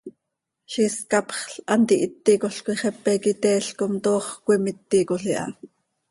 Ziix is ccapxl hant ihíticol coi xepe quih iteel com toox cöimíticol iha.